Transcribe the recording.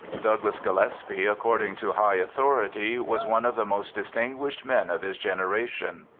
Douglas Gillespie, ac cording to high authority, was " one of the most dis tinguished men of his generation."